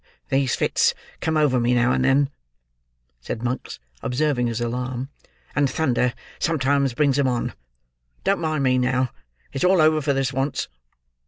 "These fits come over me, now and then," said Monks, observing his alarm; "and thunder sometimes brings them on. Don't mind me now; it's all over for this once."